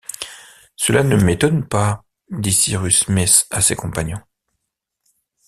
Cela ne m’étonne pas, dit Cyrus Smith à ses compagnons